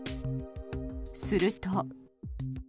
すると。